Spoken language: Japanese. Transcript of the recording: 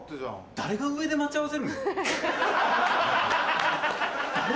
誰が上で待ち合わせるんだよ。